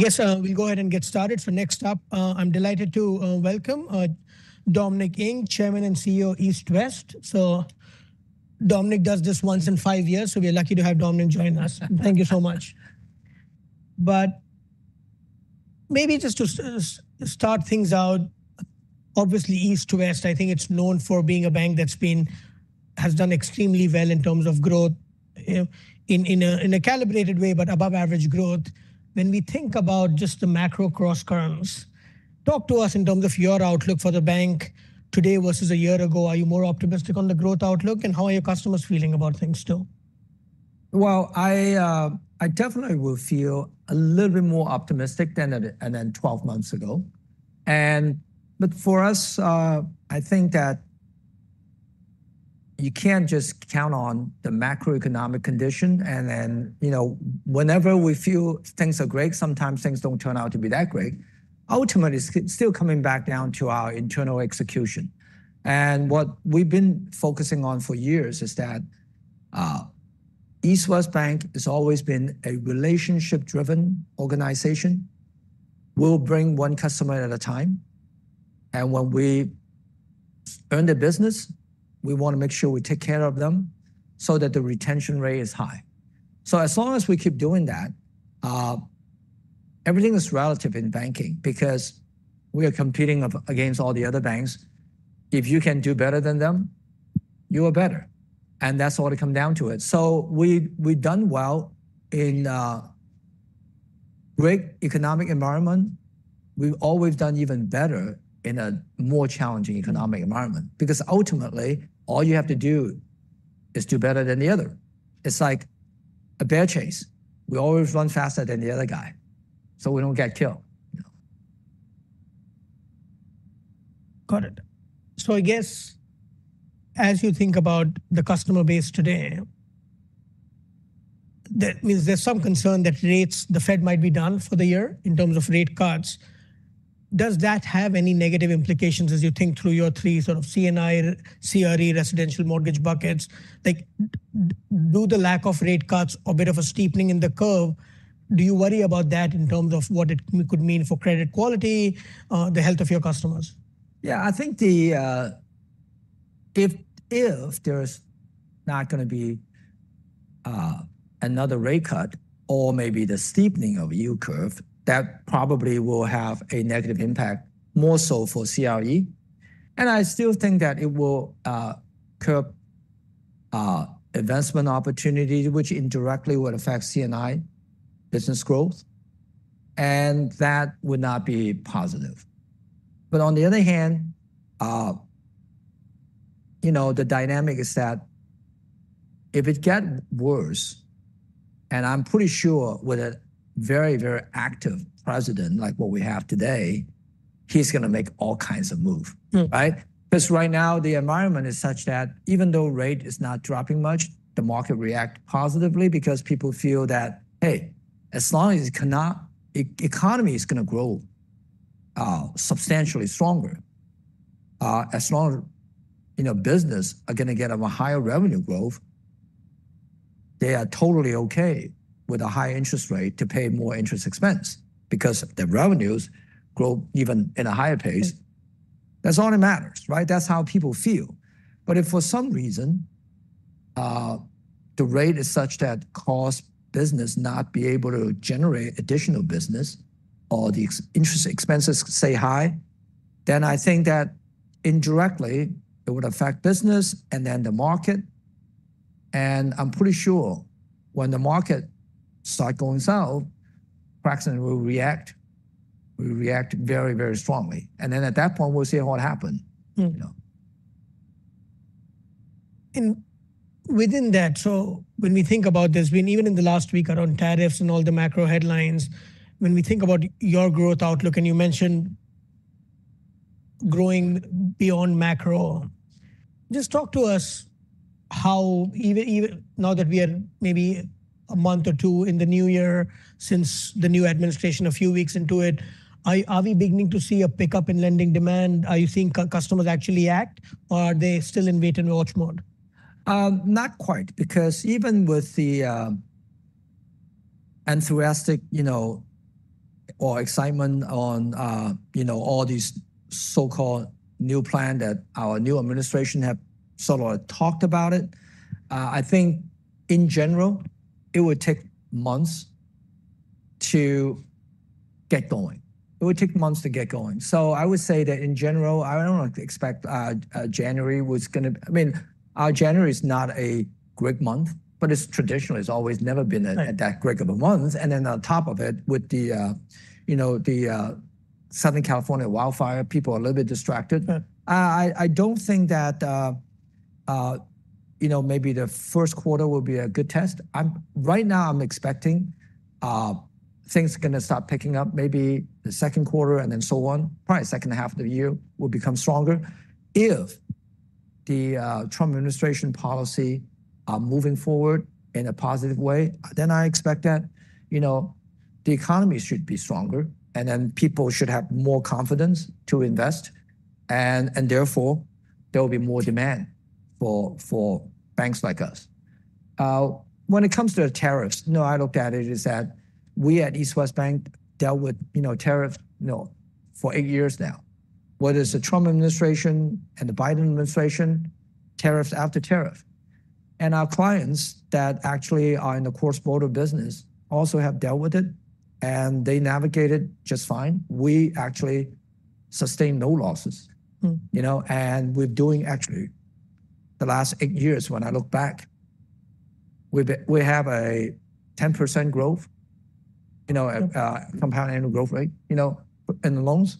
Yes, we'll go ahead and get started. So next up, I'm delighted to welcome Dominic Ng, Chairman and CEO of East West. So Dominic does this once in five years, so we're lucky to have Dominic join us. Thank you so much. But maybe just to start things out, obviously East West, I think it's known for being a bank that has done extremely well in terms of growth in a calibrated way, but above average growth. When we think about just the macro cross-currents, talk to us in terms of your outlook for the bank today versus a year ago. Are you more optimistic on the growth outlook, and how are your customers feeling about things still? I definitely will feel a little bit more optimistic than 12 months ago, but for us, I think that you can't just count on the macroeconomic condition. Whenever we feel things are great, sometimes things don't turn out to be that great. Ultimately, it's still coming back down to our internal execution. What we've been focusing on for years is that East West Bank has always been a relationship-driven organization. We'll bring one customer at a time. When we earn the business, we want to make sure we take care of them so that the retention rate is high. As long as we keep doing that, everything is relative in banking because we are competing against all the other banks. If you can do better than them, you are better. That's all it comes down to. So we've done well in a great economic environment. We've always done even better in a more challenging economic environment because ultimately, all you have to do is do better than the other. It's like a bear chase. We always run faster than the other guy, so we don't get killed. Got it. So I guess as you think about the customer base today, that means there's some concern that the Fed might be done for the year in terms of rate cuts. Does that have any negative implications as you think through your three sort of C&I, CRE, residential mortgage buckets? Do the lack of rate cuts a bit of a steepening in the curve? Do you worry about that in terms of what it could mean for credit quality, the health of your customers? Yeah, I think if there's not going to be another rate cut or maybe the steepening of the yield curve, that probably will have a negative impact more so for CRE. And I still think that it will curb investment opportunity, which indirectly would affect C&I business growth, and that would not be positive. But on the other hand, the dynamic is that if it gets worse, and I'm pretty sure with a very, very active president like what we have today, he's going to make all kinds of moves, right? Because right now, the environment is such that even though rate is not dropping much, the market reacts positively because people feel that, hey, as long as economy is going to grow substantially stronger, as long as business is going to get a higher revenue growth, they are totally okay with a high interest rate to pay more interest expense because the revenues grow even at a higher pace. That's all that matters, right? That's how people feel. But if for some reason the rate is such that causes business not to be able to generate additional business or the interest expenses stay high, then I think that indirectly it would affect business and then the market. And I'm pretty sure when the market starts going south, practically we'll react. We react very, very strongly. And then at that point, we'll see what happens. Within that, so when we think about this, even in the last week around tariffs and all the macro headlines, when we think about your growth outlook and you mentioned growing beyond macro, just talk to us how, now that we are maybe a month or two in the new year, since the new administration a few weeks into it, are we beginning to see a pickup in lending demand? Are you seeing customers actually act, or are they still in wait-and-watch mode? Not quite, because even with the enthusiastic excitement on all these so-called new plans that our new administration has sort of talked about, I think in general, it would take months to get going. It would take months to get going. So I would say that in general, I don't expect January was going to. I mean, our January is not a great month, but it's traditionally. It's always never been that great of a month. Then on top of it, with the Southern California wildfire, people are a little bit distracted. I don't think that maybe the first quarter will be a good test. Right now, I'm expecting things are going to start picking up, maybe the second quarter and then so on. Probably second half of the year will become stronger. If the Trump administration policy is moving forward in a positive way, then I expect that the economy should be stronger and then people should have more confidence to invest, and therefore there will be more demand for banks like us. When it comes to tariffs, I looked at it as that we at East West Bank dealt with tariffs for eight years now, whether it's the Trump administration and the Biden administration, tariff after tariff, and our clients that actually are in the cross-border business also have dealt with it, and they navigated just fine. We actually sustained no losses, and during actually the last eight years, when I look back, we have a 10% growth, Compound Annual Growth Rate in loans,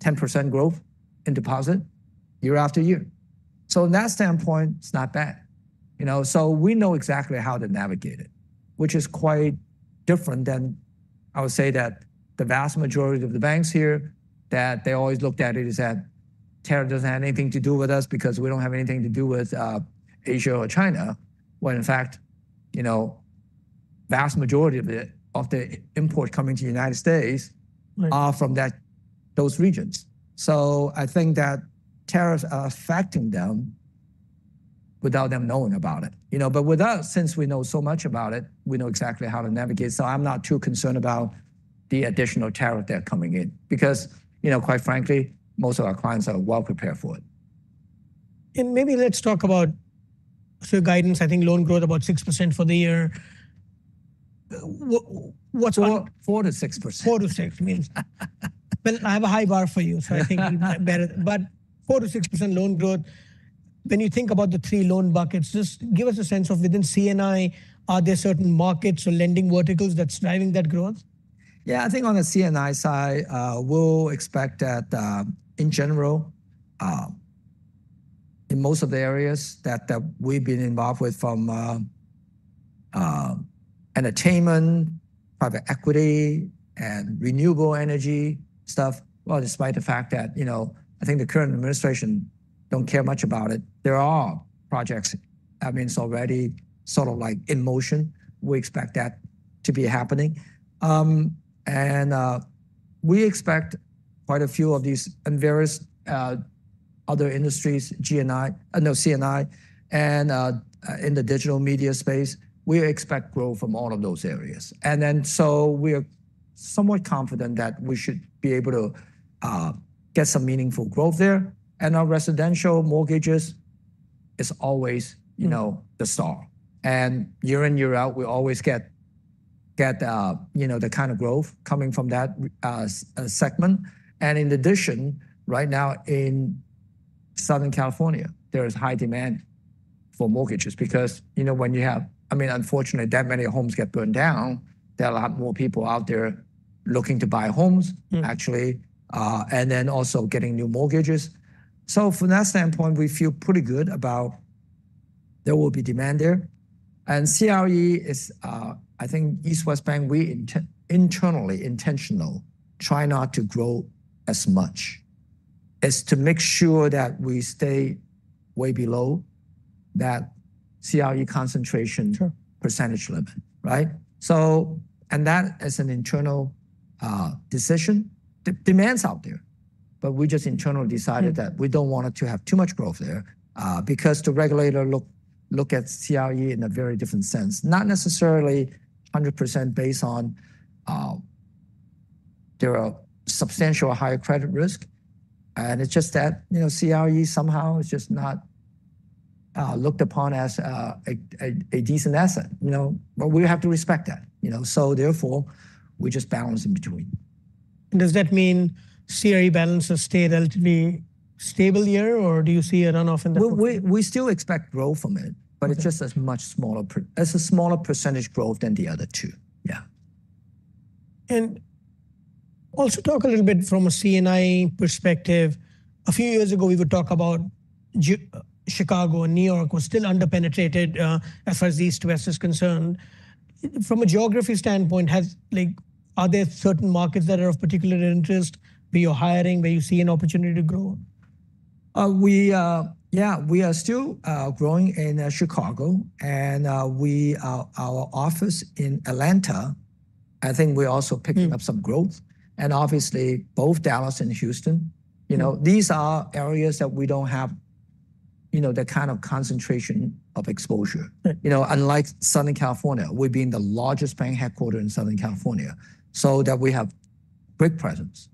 10% growth in deposits year after year, so in that standpoint, it's not bad. So we know exactly how to navigate it, which is quite different than I would say that the vast majority of the banks here, that they always looked at it as that tariff doesn't have anything to do with us because we don't have anything to do with Asia or China, when in fact, the vast majority of the imports coming to the United States are from those regions. So I think that tariffs are affecting them without them knowing about it. But with us, since we know so much about it, we know exactly how to navigate. So I'm not too concerned about the additional tariff that's coming in because quite frankly, most of our clients are well prepared for it. And maybe let's talk about your guidance. I think loan growth about 6% for the year. What's? 4% to 6%. 4% to 6%. Well, I have a high bar for you, so I think you know better. But 4% to 6% loan growth, when you think about the three loan buckets, just give us a sense of within C&I, are there certain markets or lending verticals that's driving that growth? Yeah, I think on the C&I side, we'll expect that in general, in most of the areas that we've been involved with from entertainment, private equity, and renewable energy stuff. Well, despite the fact that I think the current administration doesn't care much about it, there are projects that means already sort of like in motion. We expect that to be happening. And we expect quite a few of these and various other industries, GNI, no, C&I, and in the digital media space, we expect growth from all of those areas. And then so we are somewhat confident that we should be able to get some meaningful growth there. And our residential mortgages is always the star. And year in, year out, we always get the kind of growth coming from that segment. In addition, right now in Southern California, there is high demand for mortgages because when you have, I mean, unfortunately, that many homes get burned down, there are a lot more people out there looking to buy homes, actually, and then also getting new mortgages. From that standpoint, we feel pretty good about there will be demand there. CRE is, I think, at East West Bank, we internally intentionally try not to grow as much as to make sure that we stay way below that CRE concentration percentage limit. That is an internal decision. Demand's out there, but we just internally decided that we don't want it to have too much growth there because the regulator looks at CRE in a very different sense, not necessarily 100% based on there are substantially higher credit risk. And it's just that CRE somehow is just not looked upon as a decent asset. But we have to respect that. So therefore, we just balance in between. Does that mean CRE balance has stayed relatively stable here, or do you see a run-off in the future? We still expect growth from it, but it's just a much smaller percentage growth than the other two. Yeah. And also talk a little bit from a C&I perspective. A few years ago, we would talk about Chicago and New York were still under-penetrated as far as East West is concerned. From a geography standpoint, are there certain markets that are of particular interest where you're hiring, where you see an opportunity to grow? Yeah, we are still growing in Chicago. Our office in Atlanta, I think we're also picking up some growth. Obviously, both Dallas and Houston, these are areas that we don't have the kind of concentration of exposure. Unlike Southern California, we're the largest bank headquartered in Southern California, so that we have a great presence.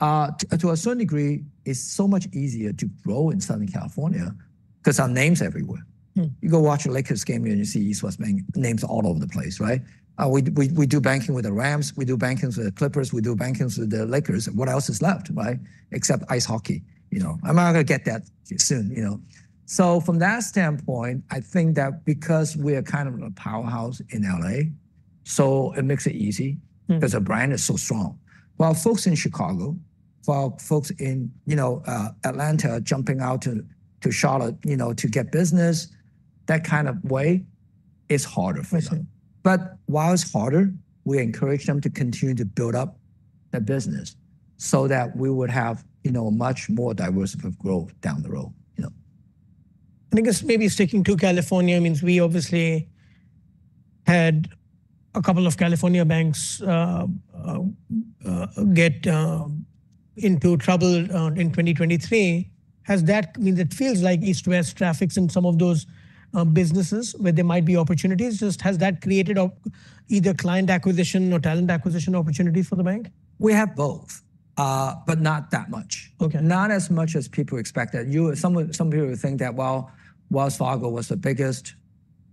To a certain degree, it's so much easier to grow in Southern California because our name's everywhere. You go watch the Lakers game here, and you see East West Bank names all over the place, right? We do banking with the Rams, we do banking with the Clippers, we do banking with the Lakers. What else is left, right, except ice hockey? I'm not going to get that soon. So from that standpoint, I think that because we are kind of a powerhouse in LA, so it makes it easy because our brand is so strong. While folks in Chicago, while folks in Atlanta jumping out to Charlotte to get business, that kind of way is harder for them. But while it's harder, we encourage them to continue to build up their business so that we would have a much more diverse growth down the road. I think it's maybe sticking to California means we obviously had a couple of California banks get into trouble in 2023. Has that meant it feels like East West traffics in some of those businesses where there might be opportunities. Just, has that created either client acquisition or talent acquisition opportunities for the bank? We have both, but not that much. Not as much as people expected. Some people think that, well, Wells Fargo was the biggest.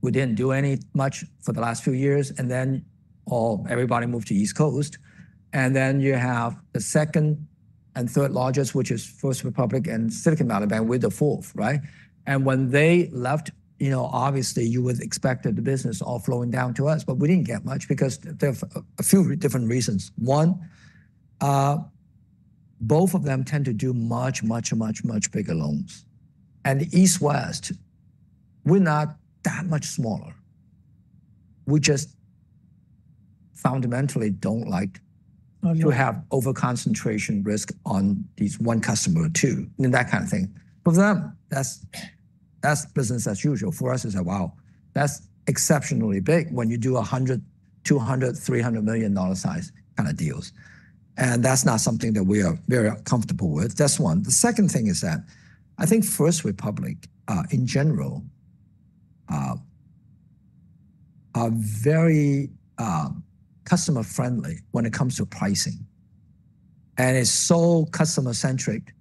We didn't do any much for the last few years, and then everybody moved to East Coast. And then you have the second and third largest, which is First Republic and Silicon Valley Bank. We're the fourth, right? And when they left, obviously, you would expect the business all flowing down to us, but we didn't get much because there are a few different reasons. One, both of them tend to do much, much, much, much bigger loans. And East West, we're not that much smaller. We just fundamentally don't like to have over-concentration risk on these one customer or two, that kind of thing. For them, that's business as usual. For us, it's like, wow, that's exceptionally big when you do $100, $200, $300 million size kind of deals. And that's not something that we are very comfortable with. That's one. The second thing is that I think First Republic in general are very customer-friendly when it comes to pricing. And it's so customer-centric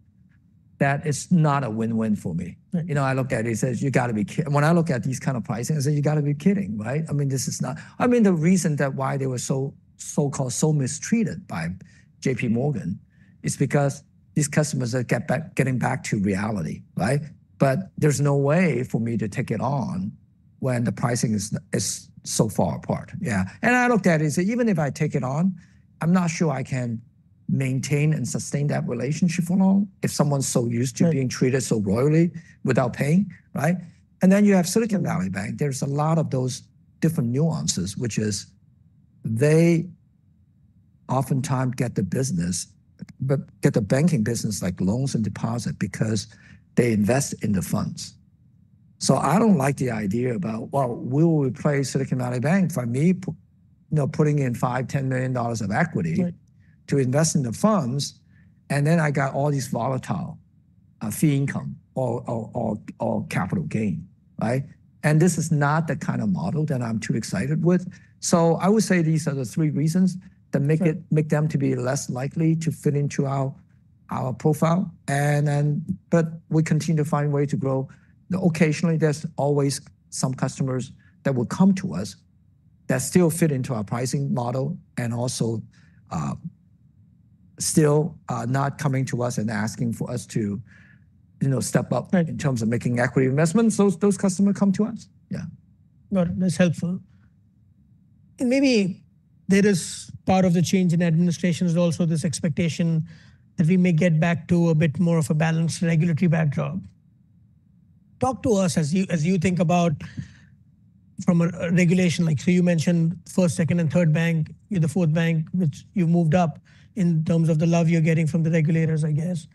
that it's not a win-win for me. I look at it, it says, you got to be kidding. When I look at these kinds of pricing, I say, you got to be kidding, right? I mean, this is not, I mean, the reason that why they were so-called so mistreated by JPMorgan is because these customers are getting back to reality, right? But there's no way for me to take it on when the pricing is so far apart. Yeah. And I looked at it and said, even if I take it on, I'm not sure I can maintain and sustain that relationship for long if someone's so used to being treated so royally without paying, right? And then you have Silicon Valley Bank. There's a lot of those different nuances, which is they oftentimes get the business, get the banking business like loans and deposit because they invest in the funds. So I don't like the idea about, well, we will replace Silicon Valley Bank for me putting in $5 million, $10 million of equity to invest in the funds. And then I got all these volatile fee income or capital gain, right? And this is not the kind of model that I'm too excited with. So I would say these are the three reasons that make them to be less likely to fit into our profile. But we continue to find ways to grow. Occasionally, there's always some customers that will come to us that still fit into our pricing model and also still not coming to us and asking for us to step up in terms of making equity investments. Those customers come to us. Yeah. That's helpful. Maybe there is part of the change in the administration is also this expectation that we may get back to a bit more of a balanced regulatory backdrop. Talk to us as you think about from a regulatory. You mentioned first, second, and third bank. You're the fourth bank, which you moved up in terms of the love you're getting from the regulators, I guess.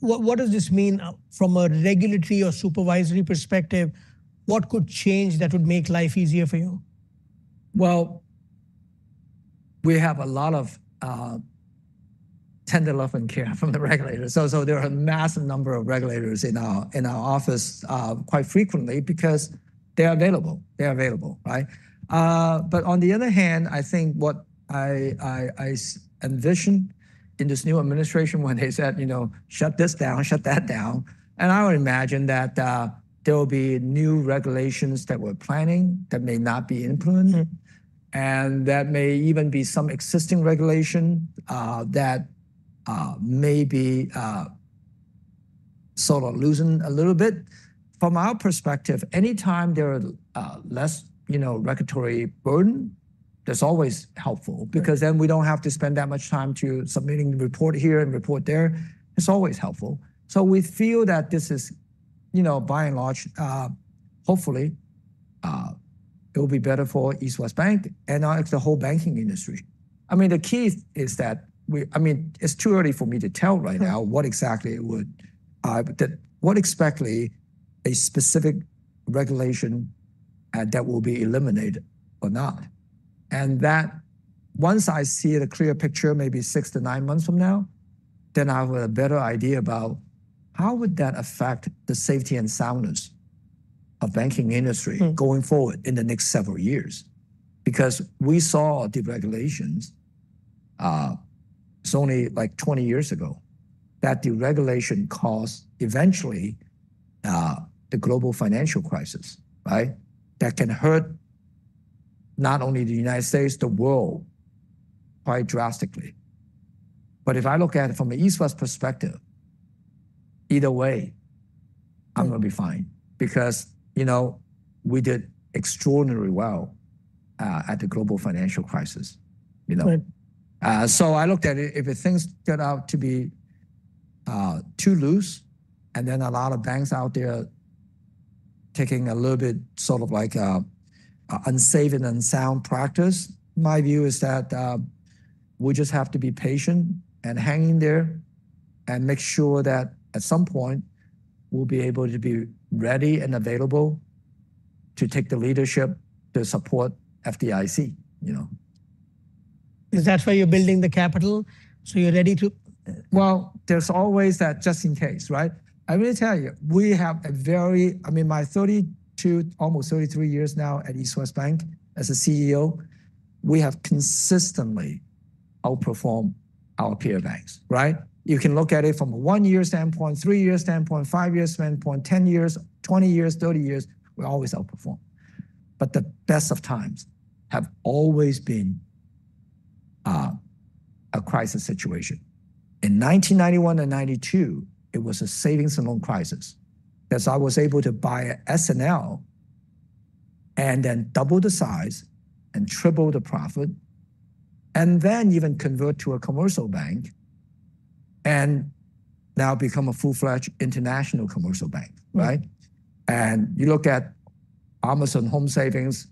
What does this mean from a regulatory or supervisory perspective? What could change that would make life easier for you? We have a lot of tender love and care from the regulators. So there are a massive number of regulators in our office quite frequently because they're available. They're available, right? But on the other hand, I think what I envision in this new administration when they said, shut this down, shut that down, and I would imagine that there will be new regulations that we're planning that may not be implemented. And that may even be some existing regulation that may be sort of loosened a little bit. From our perspective, anytime there are less regulatory burden, that's always helpful because then we don't have to spend that much time submitting the report here and report there. It's always helpful. So we feel that this is by and large, hopefully, it will be better for East West Bank and the whole banking industry. I mean, the key is that, I mean, it's too early for me to tell right now what exactly would, what exactly a specific regulation that will be eliminated or not, and that once I see the clear picture, maybe six to nine months from now, then I have a better idea about how would that affect the safety and soundness of the banking industry going forward in the next several years because we saw deregulations only like 20 years ago. That deregulation caused eventually the global financial crisis, right? That can hurt not only the United States, the world quite drastically. But if I look at it from an East West perspective, either way, I'm going to be fine because we did extraordinarily well at the global financial crisis, so I looked at it. If things turn out to be too loose and then a lot of banks out there taking a little bit sort of like unsafe and unsound practice, my view is that we just have to be patient and hang in there and make sure that at some point, we'll be able to be ready and available to take the leadership to support FDIC. Is that why you're building the capital so you're ready to? There's always that just in case, right? I will tell you, we have a very, I mean, my 32, almost 33 years now at East West Bank as a CEO, we have consistently outperformed our peer banks, right? You can look at it from a one-year standpoint, three-year standpoint, five-year standpoint, 10 years, 20 years, 30 years, we always outperform. But the best of times have always been a crisis situation. In 1991 and 1992, it was a savings and loan crisis because I was able to buy S&L and then double the size and triple the profit, and then even convert to a commercial bank and now become a full-fledged international commercial bank, right? You look at Home Savings,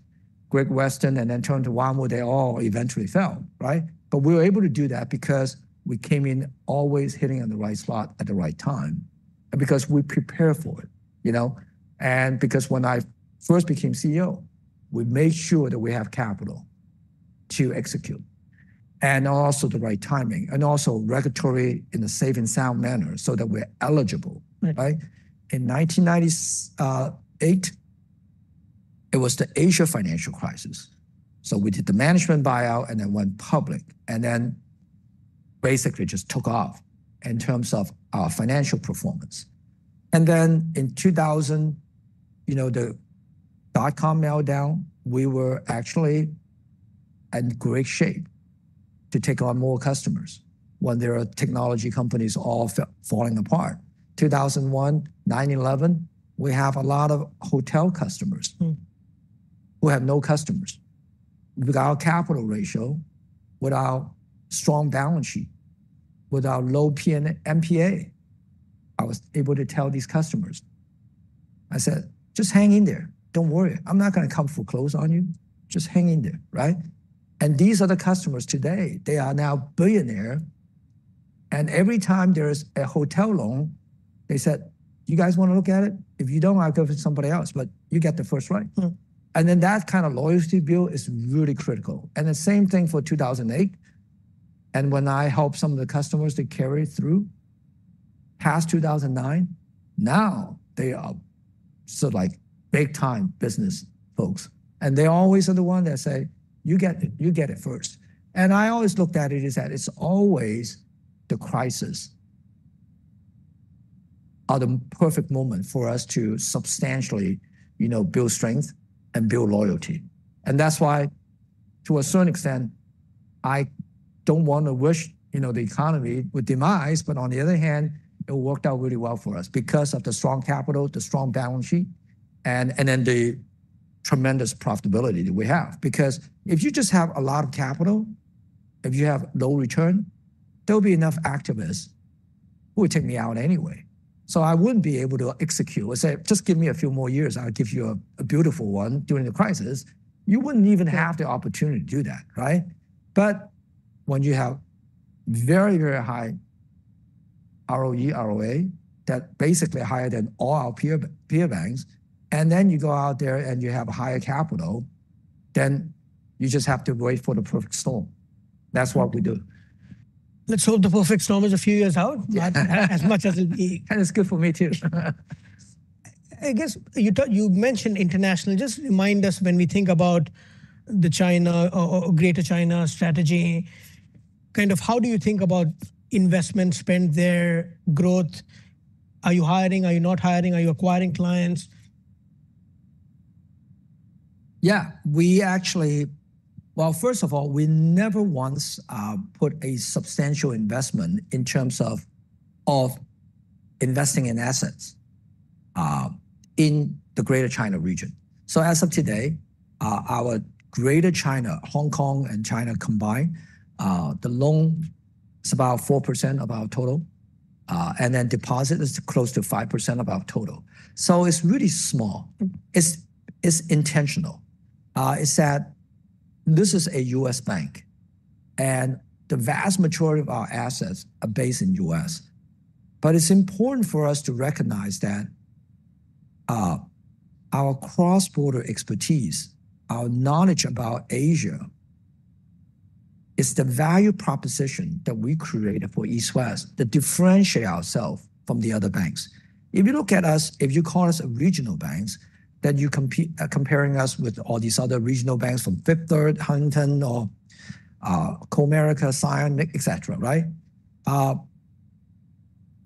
Great Western, and then turn to WaMu, they all eventually fell, right? But we were able to do that because we came in always hitting on the right spot at the right time and because we prepared for it. And because when I first became CEO, we made sure that we have capital to execute and also the right timing and also regulatory in a safe and sound manner so that we're eligible, right? In 1998, it was the Asian financial crisis. So we did the management buyout and then went public and then basically just took off in terms of our financial performance. And then in 2000, the dot-com meltdown, we were actually in great shape to take on more customers when there are technology companies all falling apart. 2001, 9/11, we have a lot of hotel customers. We had no losses. Without capital ratio, without strong balance sheet, without low NPAs, I was able to tell these customers. I said, just hang in there. Don't worry. I'm not going to foreclose on you. Just hang in there, right?, and these are the customers today. They are now billionaires, and every time there is a hotel loan, they said, you guys want to look at it? If you don't, I'll go for somebody else, but you get the first right, and then that kind of loyalty builds is really critical, and the same thing for 2008, and when I helped some of the customers to carry it through past 2009, now they are sort of like big-time business folks, and they always are the ones that say, you get it, you get it first. And I always looked at it as that it's always the crisis are the perfect moment for us to substantially build strength and build loyalty. And that's why to a certain extent, I don't want to wish the economy would demise, but on the other hand, it worked out really well for us because of the strong capital, the strong balance sheet, and then the tremendous profitability that we have. Because if you just have a lot of capital, if you have low return, there'll be enough activists who will take me out anyway. So I wouldn't be able to execute. I say, just give me a few more years. I'll give you a beautiful one during the crisis. You wouldn't even have the opportunity to do that, right? But when you have very, very high ROE, ROA that basically higher than all our peer banks, and then you go out there and you have higher capital, then you just have to wait for the perfect storm. That's what we do. Let's hope the perfect storm is a few years out, as much as it may be. That is good for me too. I guess you mentioned international. Just remind us when we think about the China or Greater China strategy, kind of how do you think about investment spend there, growth? Are you hiring? Are you not hiring? Are you acquiring clients? Yeah. We actually, well, first of all, we never once put a substantial investment in terms of investing in assets in the Greater China region. So as of today, our Greater China, Hong Kong and China combined, the loan is about 4% of our total, and then deposit is close to 5% of our total. So it's really small. It's intentional, that this is a U.S. bank and the vast majority of our assets are based in the U.S. But it's important for us to recognize that our cross-border expertise, our knowledge about Asia is the value proposition that we created for East West that differentiates ourselves from the other banks. If you look at us, if you call us regional banks, then you're comparing us with all these other regional banks from Fifth Third, Huntington, or Comerica, Zions, et cetera, right?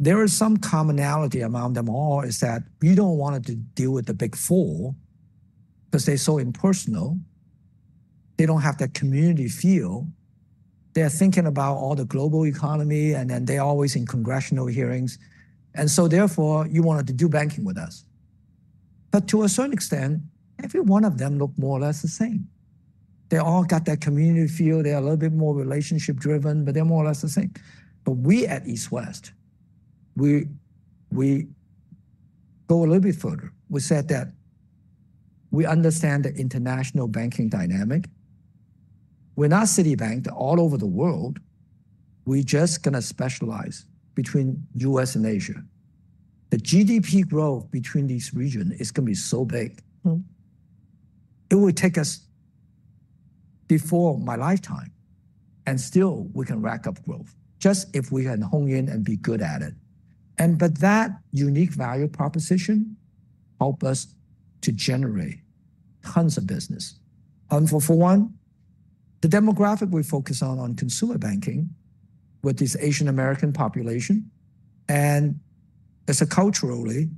There is some commonality among them all is that we don't want to deal with the big four because they're so impersonal. They don't have that community feel. They're thinking about all the global economy and then they're always in congressional hearings, and so therefore, you want to do banking with us, but to a certain extent, every one of them looks more or less the same. They all got that community feel. They're a little bit more relationship-driven, but they're more or less the same, but we at East West, we go a little bit further. We said that we understand the international banking dynamic. We're not Citibank. They're all over the world. We're just going to specialize between U.S. and Asia. The GDP growth between these regions is going to be so big. It will take us before my lifetime. And still, we can rack up growth just if we can hone in and be good at it. But that unique value proposition helped us to generate tons of business. For one, the demographic we focus on, on consumer banking with this Asian-American population. And as a culturally,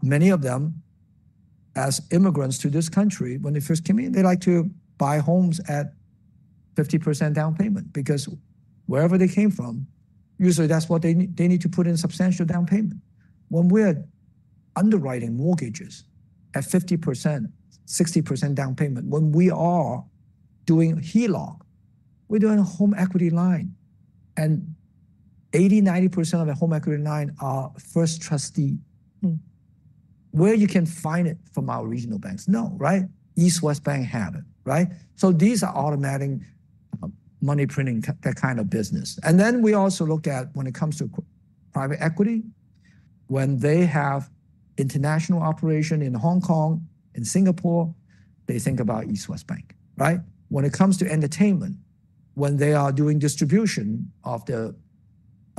many of them as immigrants to this country, when they first came in, they like to buy homes at 50% to 60% down payment because wherever they came from, usually that's what they need to put in substantial down payment. When we're underwriting mortgages at 50% to 60% down payment, when we are doing HELOC, we're doing a home equity line. And 80% to 90% of the home equity line are first trust deed. Where you can find it from our regional banks? No, right? East West Bank has it, right? So these are automatic money printing, that kind of business. And then we also look at when it comes to private equity, when they have international operations in Hong Kong, in Singapore, they think about East West Bank, right? When it comes to entertainment, when they are doing distribution of the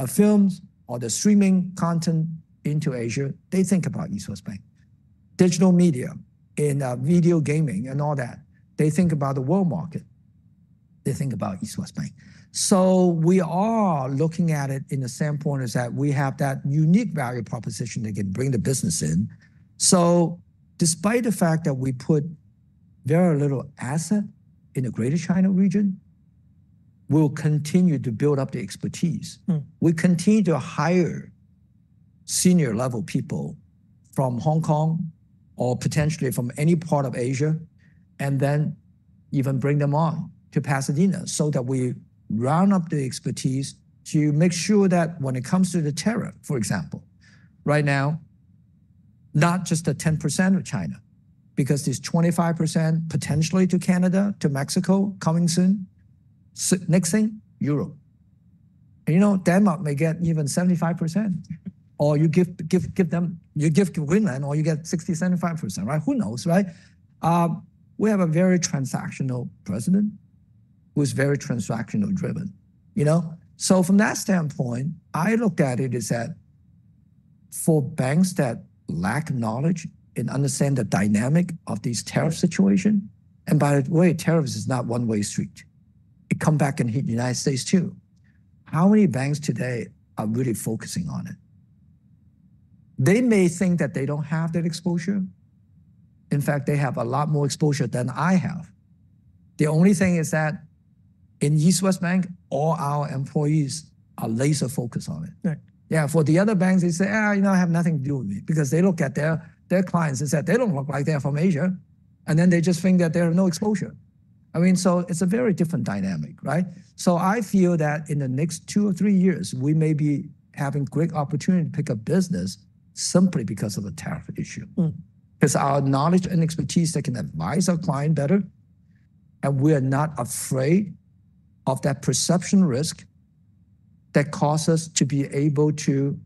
films or the streaming content into Asia, they think about East West Bank. Digital media in video gaming and all that, they think about the world market. They think about East West Bank. So we are looking at it in the standpoint is that we have that unique value proposition that can bring the business in. So despite the fact that we put very little asset in the Greater China region, we'll continue to build up the expertise. We continue to hire senior-level people from Hong Kong or potentially from any part of Asia and then even bring them on to Pasadena so that we round up the expertise to make sure that when it comes to the tariff, for example, right now, not just the 10% of China because there's 25% potentially to Canada, to Mexico coming soon. Next thing, Europe. You know, Denmark may get even 75% or you give them Greenland or you get 60% to 75%, right? Who knows, right? We have a very transactional president who's very transactional-driven. You know, so from that standpoint, I look at it as that for banks that lack knowledge and understand the dynamic of this tariff situation. And by the way, tariffs is not one-way street. It comes back and hits the United States too. How many banks today are really focusing on it? They may think that they don't have that exposure. In fact, they have a lot more exposure than I have. The only thing is that in East West Bank, all our employees are laser-focused on it. Yeah. For the other banks, they say, you know, I have nothing to do with it because they look at their clients and say, they don't look like they're from Asia, and then they just think that they have no exposure. I mean, so it's a very different dynamic, right, so I feel that in the next two or three years, we may be having great opportunity to pick up business simply because of the tariff issue because our knowledge and expertise, they can advise our client better. And we are not afraid of that perception risk that causes us to be able to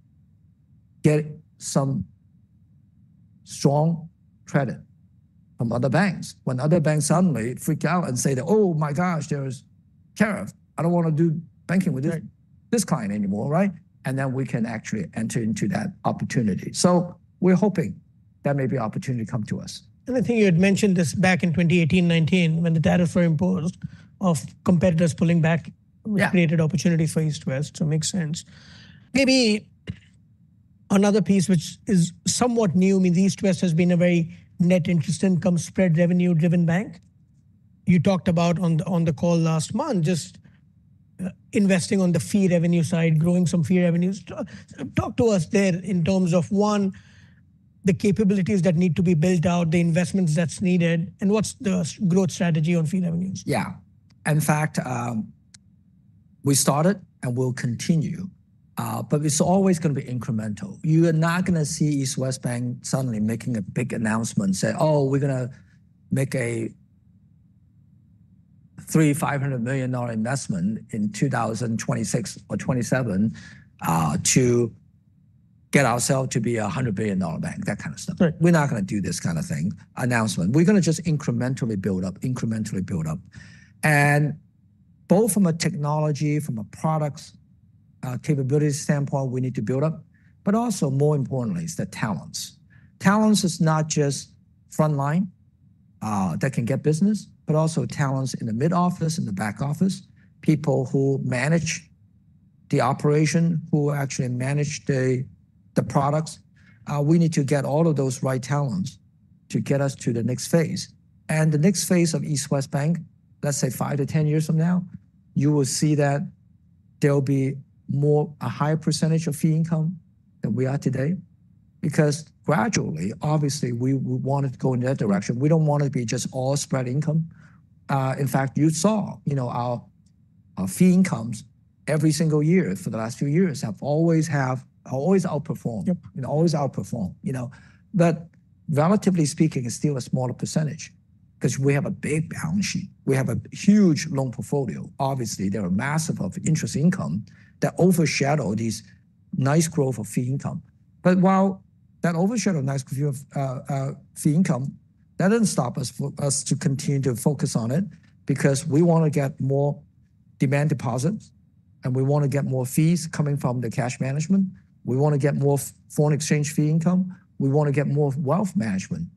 get some strong credit from other banks when other banks suddenly freak out and say, oh my gosh, there's tariff. I don't want to do banking with this client anymore, right? And then we can actually enter into that opportunity. So we're hoping that may be an opportunity to come to us. I think you had mentioned this back in 2018, 2019 when the tariffs were imposed of competitors pulling back, which created opportunity for East West, so it makes sense. Maybe another piece which is somewhat new, I mean, East West has been a very net interest income spread revenue-driven bank. You talked about on the call last month, just investing on the fee revenue side, growing some fee revenues. Talk to us there in terms of one, the capabilities that need to be built out, the investments that's needed, and what's the growth strategy on fee revenues? Yeah. In fact, we started and we'll continue, but it's always going to be incremental. You are not going to see East West Bank suddenly making a big announcement and say, oh, we're going to make a $300 to $500 million investment in 2026 or 2027 to get ourselves to be a $100 billion bank, that kind of stuff. We're not going to do this kind of announcement. We're going to just incrementally build up, incrementally build up. And both from a technology, from a product capability standpoint, we need to build up, but also more importantly, it's the talents. Talents is not just frontline that can get business, but also talents in the mid-office, in the back-office, people who manage the operation, who actually manage the products. We need to get all of those right talents to get us to the next phase. The next phase of East West Bank, let's say five to 10 years from now, you will see that there'll be a higher percentage of fee income than we are today because gradually, obviously, we want to go in that direction. We don't want to be just all spread income. In fact, you saw our fee incomes every single year for the last few years have always outperformed, always outperformed. But relatively speaking, it's still a smaller percentage because we have a big balance sheet. We have a huge loan portfolio. Obviously, there are massive interest income that overshadow this nice growth of fee income. But while that overshadow nice fee income, that doesn't stop us to continue to focus on it because we want to get more demand deposits and we want to get more fees coming from the cash management. We want to get more foreign exchange fee income. We want to get more wealth management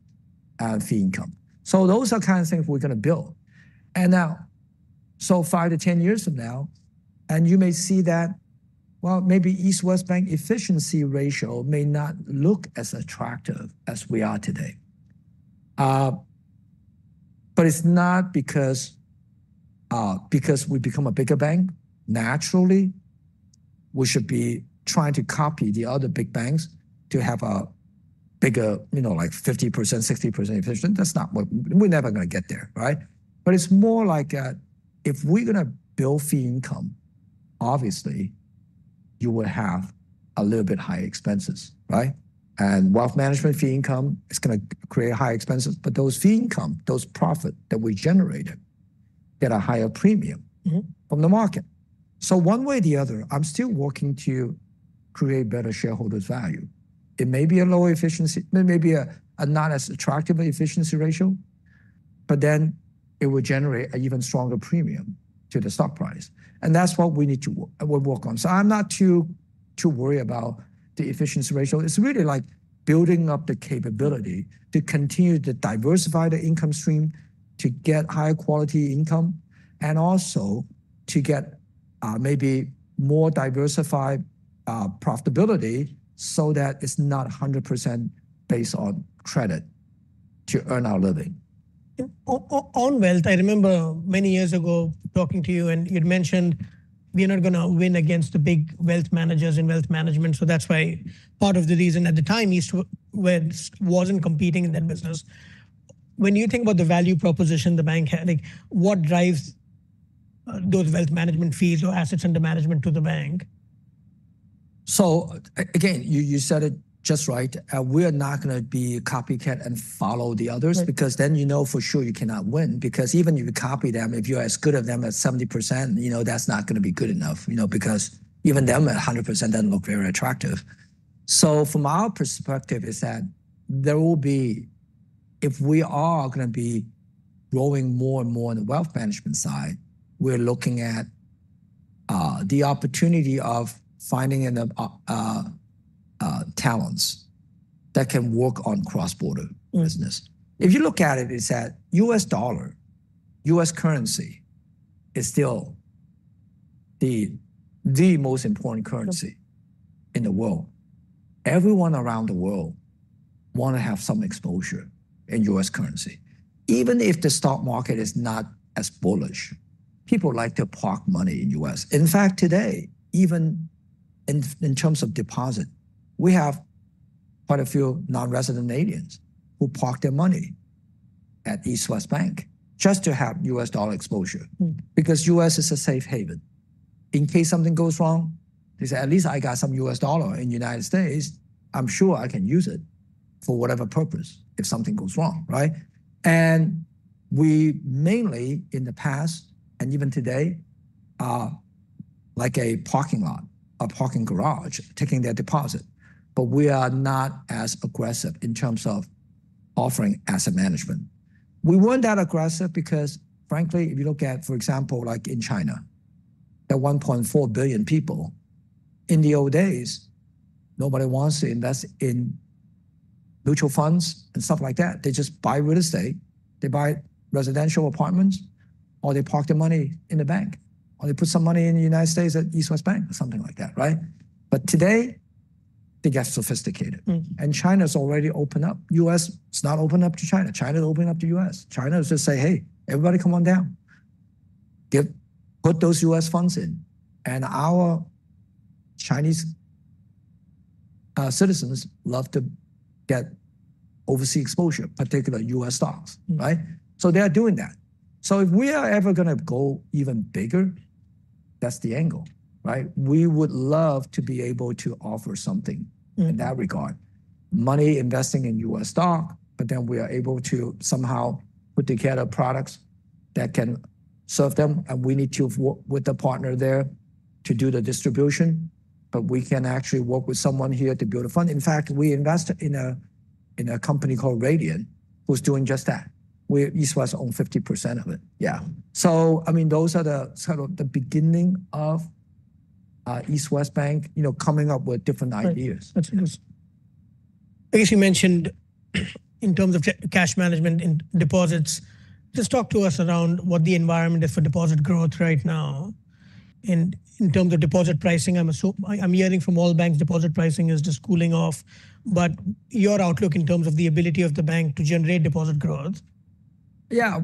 fee income. So those are the kinds of things we're going to build. And now, so five to ten years from now, and you may see that, well, maybe East West Bank efficiency ratio may not look as attractive as we are today. But it's not because we become a bigger bank. Naturally, we should be trying to copy the other big banks to have a bigger, you know, like 50%, 60% efficient. That's not what we're never going to get there, right? But it's more like if we're going to build fee income, obviously, you will have a little bit higher expenses, right? And wealth management fee income is going to create higher expenses. But those fee income, those profits that we generated, get a higher premium from the market. So one way or the other, I'm still working to create better shareholders' value. It may be a lower efficiency, maybe a not as attractive efficiency ratio, but then it will generate an even stronger premium to the stock price. And that's what we need to work on. So I'm not too worried about the efficiency ratio. It's really like building up the capability to continue to diversify the income stream to get higher quality income and also to get maybe more diversified profitability so that it's not 100% based on credit to earn our living. On wealth, I remember many years ago talking to you and you'd mentioned we're not going to win against the big wealth managers in wealth management. So that's why part of the reason at the time East West wasn't competing in that business. When you think about the value proposition the bank had, what drives those wealth management fees or assets under management to the bank? So again, you said it just right. We are not going to be copycat and follow the others because then you know for sure you cannot win because even if you copy them, if you're as good as them at 70%, you know that's not going to be good enough, you know, because even them at 100% doesn't look very attractive. So from our perspective, it's that there will be, if we are going to be growing more and more on the wealth management side, we're looking at the opportunity of finding talents that can work on cross-border business. If you look at it, it's that US dollar, US currency is still the most important currency in the world. Everyone around the world wants to have some exposure in US currency. Even if the stock market is not as bullish, people like to park money in the US. In fact, today, even in terms of deposit, we have quite a few non-resident aliens who park their money at East West Bank just to have US dollar exposure because the U.S. is a safe haven. In case something goes wrong, they say, at least I got some US dollar in the United States. I'm sure I can use it for whatever purpose if something goes wrong, right? And we mainly in the past and even today, like a parking lot, a parking garage, taking their deposit. But we are not as aggressive in terms of offering asset management. We weren't that aggressive because frankly, if you look at, for example, like in China, there are 1.4 billion people. In the old days, nobody wants to invest in mutual funds and stuff like that. They just buy real estate. They buy residential apartments or they park their money in the bank or they put some money in the United States at East West Bank or something like that, right? But today, they get sophisticated. And China's already opened up. The U.S. is not opened up to China. China's opened up to the U.S. China is just saying, hey, everybody come on down. Put those U.S. funds in. And our Chinese citizens love to get overseas exposure, particularly U.S. stocks, right? So they're doing that. So if we are ever going to go even bigger, that's the angle, right? We would love to be able to offer something in that regard. Money investing in U.S. stock, but then we are able to somehow put together products that can serve them. We need to work with the partner there to do the distribution, but we can actually work with someone here to build a fund. In fact, we invest in a company called Rayliant who's doing just that. East West owns 50% of it. Yeah. So I mean, those are the sort of beginning of East West Bank, you know, coming up with different ideas. That's interesting. I guess you mentioned in terms of cash management and deposits, just talk to us around what the environment is for deposit growth right now, and in terms of deposit pricing, I'm hearing from all banks deposit pricing is just cooling off, but your outlook in terms of the ability of the bank to generate deposit growth? Yeah.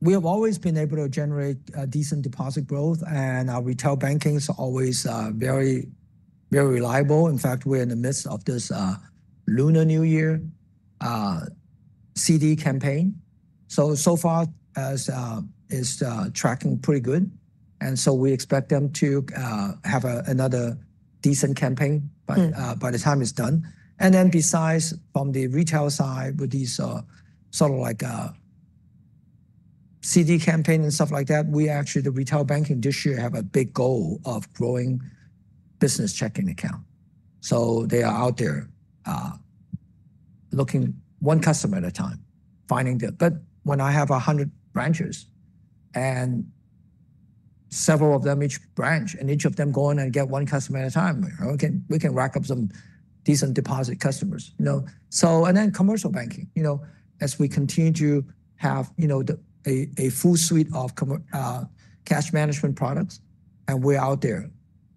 We have always been able to generate decent deposit growth, and our retail banking is always very, very reliable. In fact, we're in the midst of this Lunar New Year CD campaign. So far is tracking pretty good. And so we expect them to have another decent campaign by the time it's done. And then besides from the retail side with these sort of like CD campaigns and stuff like that, we actually, the retail banking this year have a big goal of growing business checking account. So they are out there looking one customer at a time, finding them. But when I have 100 branches and several of them, each branch and each of them going and get one customer at a time, we can rack up some decent deposit customers. You know, so and then commercial banking, you know, as we continue to have, you know, a full suite of cash management products and we're out there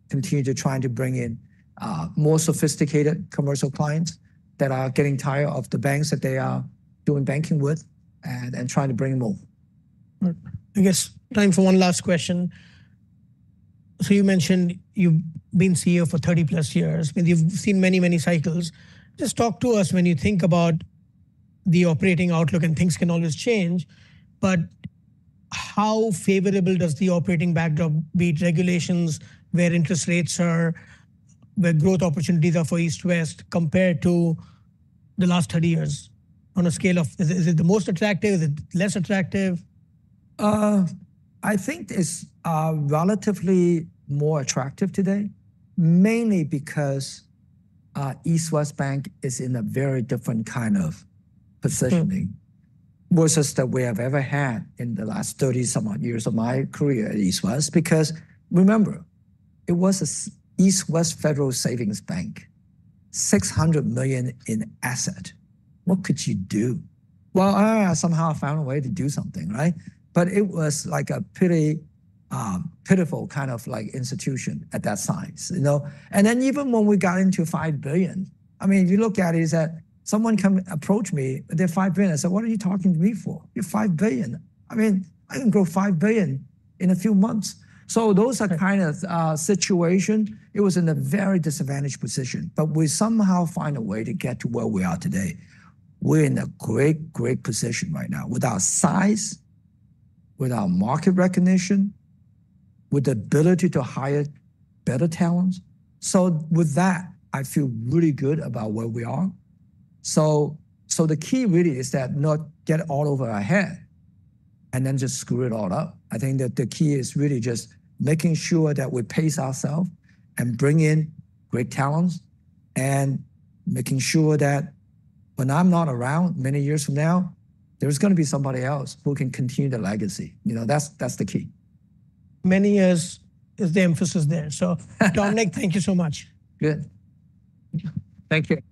continuing to try to bring in more sophisticated commercial clients that are getting tired of the banks that they are doing banking with and trying to bring them over. I guess time for one last question. So you mentioned you've been CEO for 30 plus years. You've seen many, many cycles. Just talk to us when you think about the operating outlook and things can always change, but how favorable does the operating backdrop be? Regulations, where interest rates are, where growth opportunities are for East West compared to the last 30 years, on a scale of, is it the most attractive? Is it less attractive? I think it's relatively more attractive today, mainly because East West Bank is in a very different kind of positioning versus that we have ever had in the last 30-some-odd years of my career at East West because remember, it was an East West Federal Savings Bank, $600 million in assets. What could you do? Well, I somehow found a way to do something, right? But it was like a pretty pitiful kind of like institution at that size, you know? And then even when we got into $5 billion, I mean, you look at it, you said someone came approached me, they're $5 billion. I said, what are you talking to me for? You're $5 billion. I mean, I can grow $5 billion in a few months. So those are kind of situations. It was in a very disadvantaged position, but we somehow find a way to get to where we are today. We're in a great, great position right now with our size, with our market recognition, with the ability to hire better talents. So with that, I feel really good about where we are. So the key really is that not get all over our head and then just screw it all up. I think that the key is really just making sure that we pace ourselves and bring in great talents and making sure that when I'm not around many years from now, there's going to be somebody else who can continue the legacy. You know, that's the key. Many years is the emphasis there. So, Dominic, thank you so much. Good. Thank you.